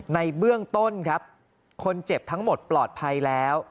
ในเบื้องต้นครับคนเจ็บทั้งหมดปลอดภัยแล้ว